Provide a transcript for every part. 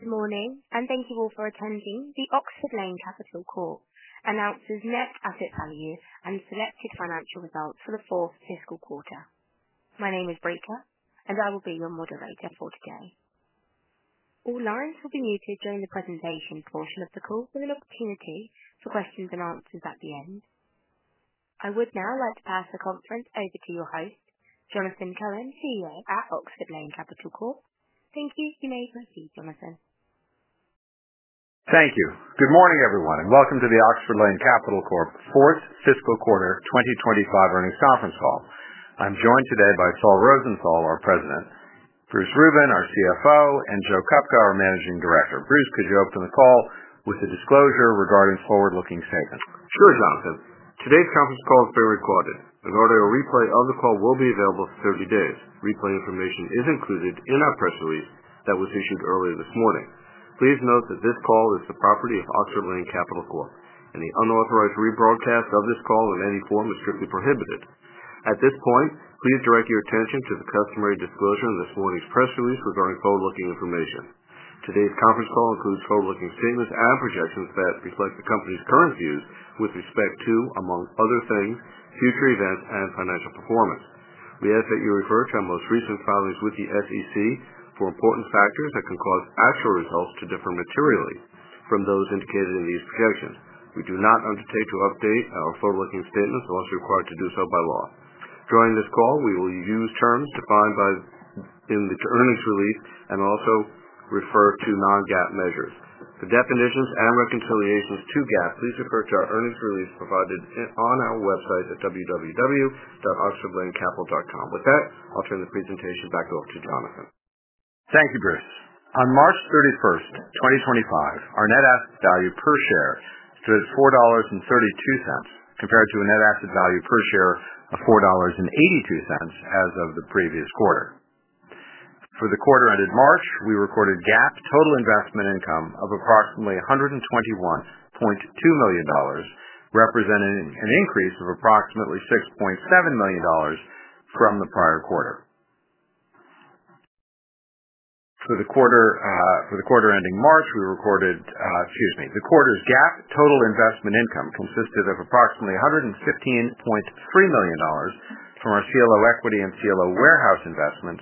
Good morning, and thank you all for attending. Oxford Lane Capital announces net asset value and selected financial results for the fourth fiscal quarter. My name is Baker, and I will be your moderator for today. All lines will be muted during the presentation portion of the call, with an opportunity for questions and answers at the end. I would now like to pass the conference over to your host, Jonathan Cohen, CEO at Oxford Lane Capital. Thank you. You may proceed, Jonathan. Thank you. Good morning, everyone, and welcome to the Oxford Lane Capital fourth fiscal quarter 2025 earnings conference call. I'm joined today by Saul Rosenthal, our President, Bruce Rubin, our CFO, and Joe Kupka, our Managing Director. Bruce, could you open the call with a disclosure regarding forward-looking statements? Sure, Jonathan. Today's conference call is being recorded. An audio replay of the call will be available for 30 days. Replay information is included in our press release that was issued earlier this morning. Please note that this call is the property of Oxford Lane Capital Corp., and the unauthorized rebroadcast of this call in any form is strictly prohibited. At this point, please direct your attention to the customary disclosure in this morning's press release regarding forward-looking information. Today's conference call includes forward-looking statements and projections that reflect the company's current views with respect to, among other things, future events and financial performance. We ask that you refer to our most recent filings with the SEC for important factors that can cause actual results to differ materially from those indicated in these projections. We do not undertake to update our forward-looking statements unless required to do so by law. During this call, we will use terms defined in the earnings release and also refer to non-GAAP measures. For definitions and reconciliations to GAAP, please refer to our earnings release provided on our website at www.oxfordlanecapital.com. With that, I'll turn the presentation back over to Jonathan. Thank you, Bruce. On March 31st, 2025, our net asset value per share stood at $4.32 compared to a net asset value per share of $4.82 as of the previous quarter. For the quarter ended March, we recorded GAAP total investment income of approximately $121.2 million, representing an increase of approximately $6.7 million from the prior quarter. For the quarter ending March, we recorded, excuse me, the quarter's GAAP total investment income consisted of approximately $115.3 million from our CLO equity and CLO warehouse investments,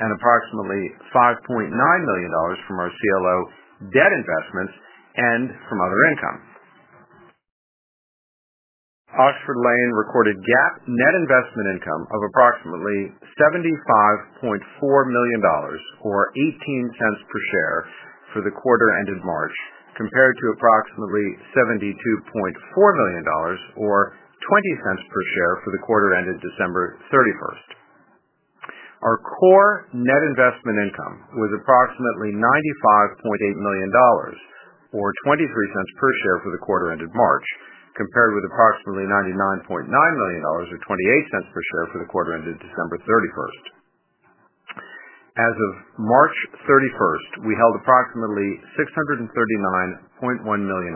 and approximately $5.9 million from our CLO debt investments and from other income. Oxford Lane recorded GAAP net investment income of approximately $75.4 million, or $0.18 per share, for the quarter ended March compared to approximately $72.4 million, or $0.20 per share, for the quarter ended December 31st. Our core net investment income was approximately $95.8 million, or $0.23 per share, for the quarter ended March, compared with approximately $99.9 million, or $0.28 per share, for the quarter ended December 31. As of March 31, we held approximately $639.1 million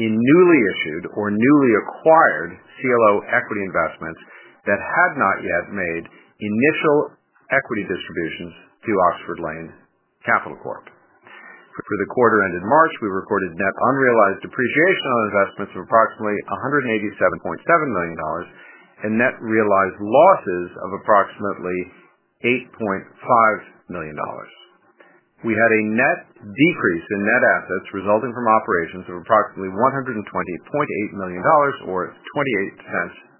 in newly issued or newly acquired CLO equity investments that had not yet made initial equity distributions to Oxford Lane Capital Corp. For the quarter ended March, we recorded net unrealized depreciation on investments of approximately $187.7 million and net realized losses of approximately $8.5 million. We had a net decrease in net assets resulting from operations of approximately $120.8 million, or $0.28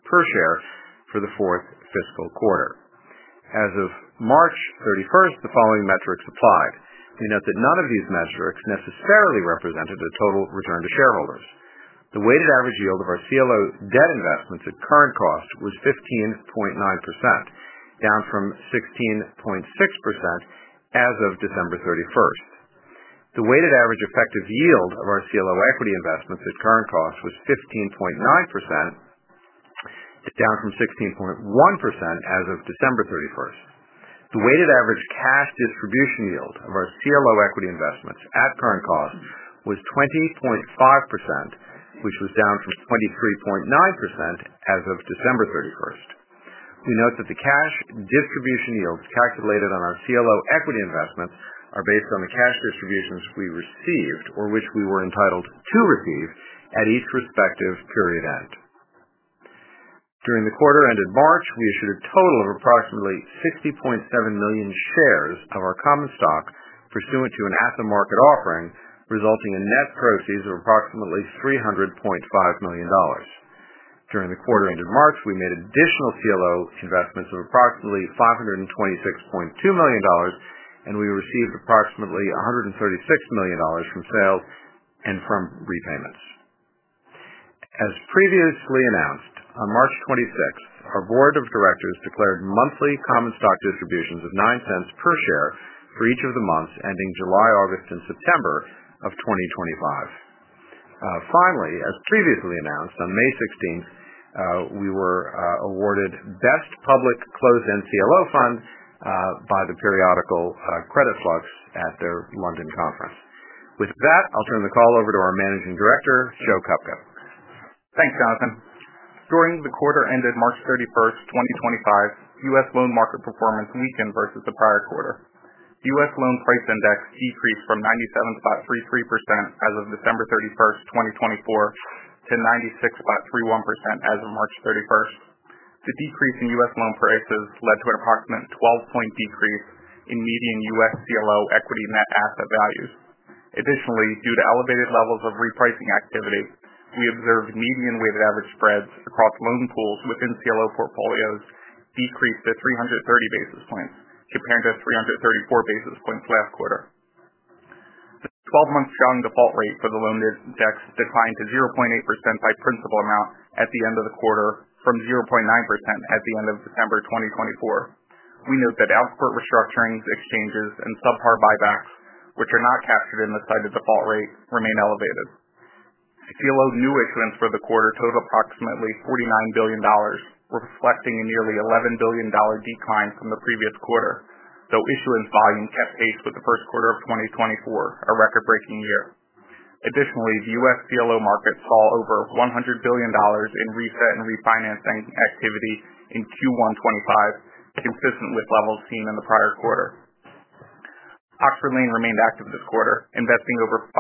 per share, for the fourth fiscal quarter. As of March 31st, the following metrics applied. We note that none of these metrics necessarily represented a total return to shareholders. The weighted average yield of our CLO debt investments at current cost was 15.9%, down from 16.6% as of December 31. The weighted average effective yield of our CLO equity investments at current cost was 15.9%, down from 16.1% as of December 31. The weighted average cash distribution yield of our CLO equity investments at current cost was 20.5%, which was down from 23.9% as of December 31. We note that the cash distribution yields calculated on our CLO equity investments are based on the cash distributions we received or which we were entitled to receive at each respective period end. During the quarter ended March, we issued a total of approximately 60.7 million shares of our common stock pursuant to an asset market offering, resulting in net proceeds of approximately $300.5 million. During the quarter ended March, we made additional CLO investments of approximately $526.2 million, and we received approximately $136 million from sales and from repayments. As previously announced, on March 26, our Board of Directors declared monthly common stock distributions of $0.09 per share for each of the months ending July, August, and September of 2025. Finally, as previously announced, on May 16, we were awarded Best Public CLO Fund by the periodical CreditFlux at their London conference. With that, I'll turn the call over to our Managing Director, Joe Kupka. Thanks, Jonathan. During the quarter ended March 31st, 2025, U.S. loan market performance weakened versus the prior quarter. U.S. loan price index decreased from 97.33% as of December 31, 2024, to 96.31% as of March 31. The decrease in U.S. loan prices led to an approximate 12-point decrease in median U.S. CLO equity net asset values. Additionally, due to elevated levels of repricing activity, we observed median weighted average spreads across loan pools within CLO portfolios decrease to 330 basis points compared to 334 basis points last quarter. The 12-month showing default rate for the loan index declined to 0.8% by principal amount at the end of the quarter from 0.9% at the end of December 2024. We note that output restructurings, exchanges, and subpar buybacks, which are not captured in the cited default rate, remain elevated. CLO new issuance for the quarter totaled approximately $49 billion, reflecting a nearly $11 billion decline from the previous quarter, though issuance volume kept pace with the first quarter of 2024, a record-breaking year. Additionally, the U.S. CLO market saw over $100 billion in reset and refinancing activity in Q1 2025, consistent with levels seen in the prior quarter. Oxford Lane remained active this quarter, investing over $520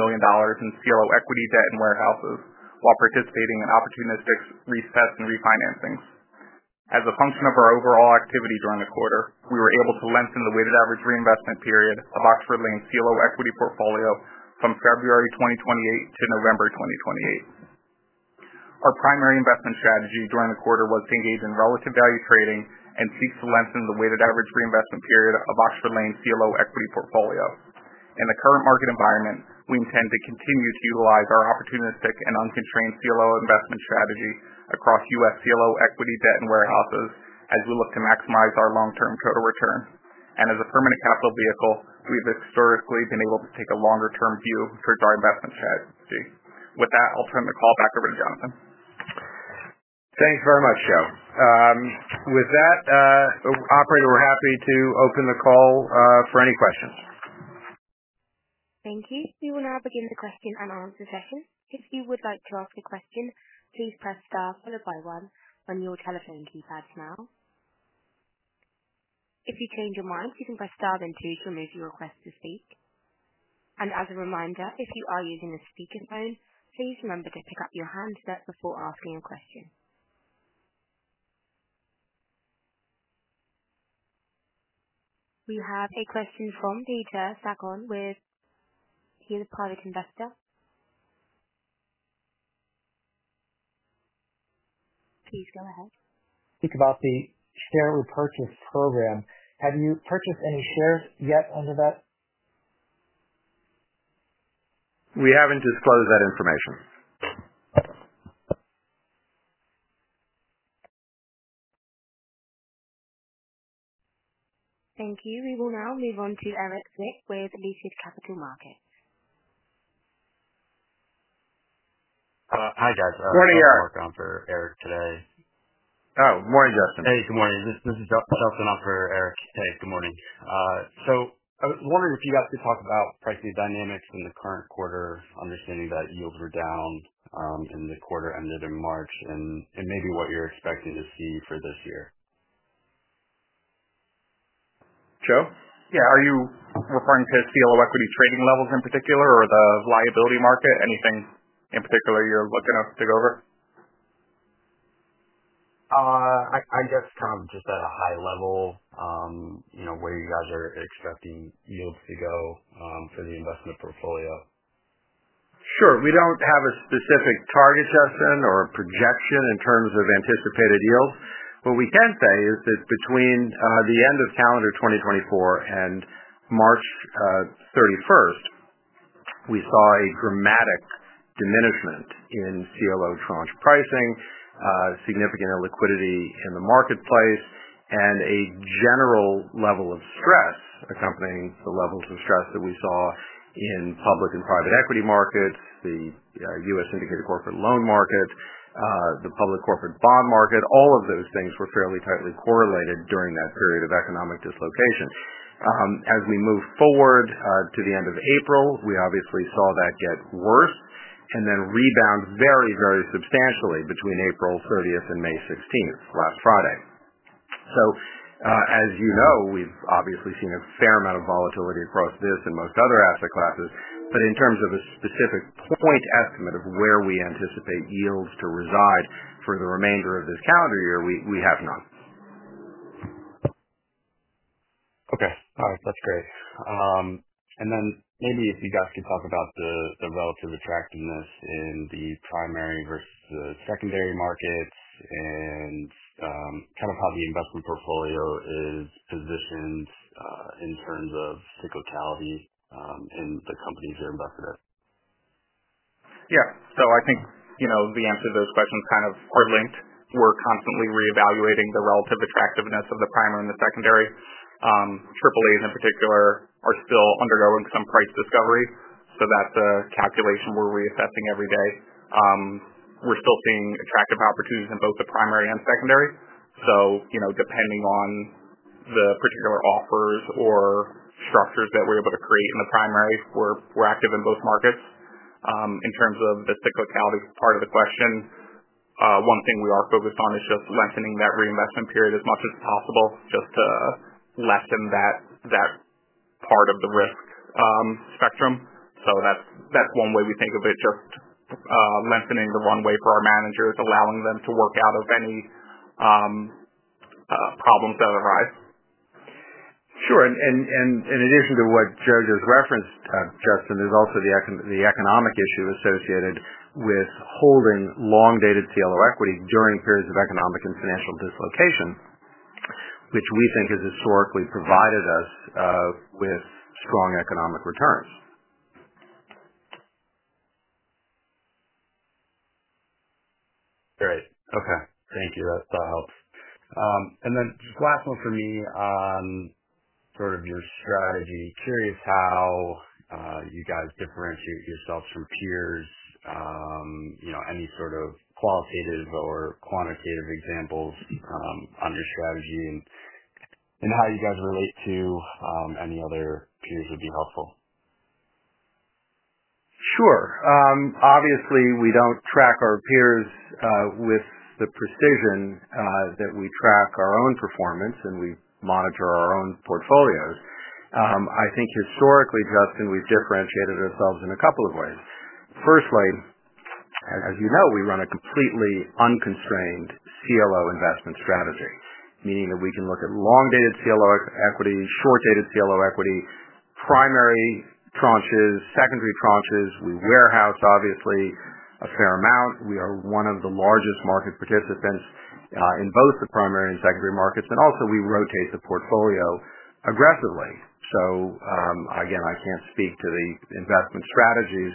million in CLO equity, debt, and warehouses while participating in opportunistic resets and refinancings. As a function of our overall activity during the quarter, we were able to lengthen the weighted average reinvestment period of Oxford Lane's CLO equity portfolio from February 2028 to November 2028. Our primary investment strategy during the quarter was to engage in relative value trading and seek to lengthen the weighted average reinvestment period of Oxford Lane's CLO equity portfolio. In the current market environment, we intend to continue to utilize our opportunistic and unconstrained CLO investment strategy across U.S. CLO equity, debt, and warehouses as we look to maximize our long-term total return. As a permanent capital vehicle, we have historically been able to take a longer-term view towards our investment strategy. With that, I'll turn the call back over to Jonathan. Thanks very much, Joe. With that, operator, we're happy to open the call for any questions. Thank you. We will now begin the question and answer session. If you would like to ask a question, please press star followed by one on your telephone keypad now. If you change your mind, you can press star then two to remove your request to speak. As a reminder, if you are using a speakerphone, please remember to pick up your handset before asking a question. We have a question from Peter Sagon. He is a private investor. Please go ahead. Speak about the share repurchase program. Have you purchased any shares yet under that? We haven't disclosed that information. Thank you. We will now move on to Eric Zwick with Lucid Capital Markets. Hi, guys. Morning, Eric. I'm working on for Eric today. Oh, morning, Justin. Hey, good morning. This is Justin. I'm for Eric. Good morning. I was wondering if you guys could talk about pricing dynamics in the current quarter, understanding that yields were down in the quarter ended in March and maybe what you're expecting to see for this year. Joe? Yeah. Are you referring to CLO equity trading levels in particular or the liability market? Anything in particular you're looking to take over? I guess kind of just at a high level where you guys are expecting yields to go for the investment portfolio. Sure. We do not have a specific target, Justin, or a projection in terms of anticipated yields. What we can say is that between the end of calendar 2024 and March 31st, we saw a dramatic diminishment in CLO tranche pricing, significant illiquidity in the marketplace, and a general level of stress accompanying the levels of stress that we saw in public and private equity markets, the U.S. Indicated Corporate Loan market, the public corporate bond market. All of those things were fairly tightly correlated during that period of economic dislocation. As we moved forward to the end of April, we obviously saw that get worse and then rebound very, very substantially between April 30 and May 16, last Friday. As you know, we've obviously seen a fair amount of volatility across this and most other asset classes, but in terms of a specific point estimate of where we anticipate yields to reside for the remainder of this calendar year, we have none. Okay. All right. That's great. Maybe if you guys could talk about the relative attractiveness in the primary versus the secondary markets and kind of how the investment portfolio is positioned in terms of cyclicality in the companies you're invested in. Yeah. I think the answer to those questions kind of are linked. We're constantly reevaluating the relative attractiveness of the primary and the secondary. AAAs in particular are still undergoing some price discovery, so that's a calculation we're reassessing every day. We're still seeing attractive opportunities in both the primary and secondary. Depending on the particular offers or structures that we're able to create in the primary, we're active in both markets. In terms of the cyclicality part of the question, one thing we are focused on is just lengthening that reinvestment period as much as possible just to lessen that part of the risk spectrum. That's one way we think of it, just lengthening the runway for our managers, allowing them to work out of any problems that arise. Sure. In addition to what Joe just referenced, Justin, there's also the economic issue associated with holding long-dated CLO equity during periods of economic and financial dislocation, which we think has historically provided us with strong economic returns. Great. Okay. Thank you. That helps. Then just last one for me on sort of your strategy. Curious how you guys differentiate yourselves from peers, any sort of qualitative or quantitative examples on your strategy, and how you guys relate to any other peers would be helpful. Sure. Obviously, we do not track our peers with the precision that we track our own performance, and we monitor our own portfolios. I think historically, Justin, we have differentiated ourselves in a couple of ways. Firstly, as you know, we run a completely unconstrained CLO investment strategy, meaning that we can look at long-dated CLO equity, short-dated CLO equity, primary tranches, secondary tranches. We warehouse, obviously, a fair amount. We are one of the largest market participants in both the primary and secondary markets. Also, we rotate the portfolio aggressively.I can't speak to the investment strategies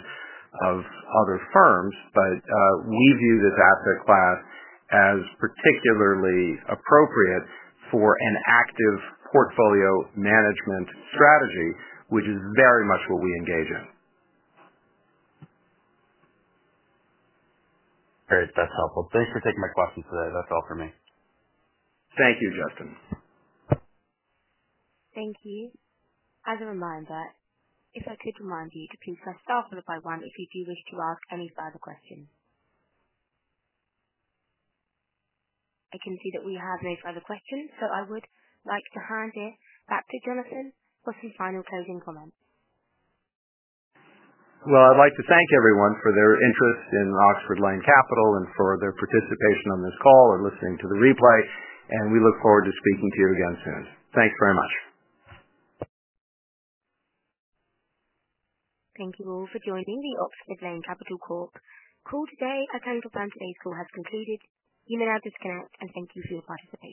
of other firms, but we view this asset class as particularly appropriate for an active portfolio management strategy, which is very much what we engage in. Great. That's helpful. Thanks for taking my questions today. That's all for me. Thank you, Justin. Thank you. As a reminder, if I could remind you to please press star followed by one if you do wish to ask any further questions. I can see that we have no further questions, so I would like to hand it back to Jonathan for some final closing comments. I would like to thank everyone for their interest in Oxford Lane Capital and for their participation on this call or listening to the replay. We look forward to speaking to you again soon. Thanks very much. Thank you all for joining the Oxford Lane Capital Corp. call today. A total plan today's call has concluded. You may now disconnect and thank you for your participation.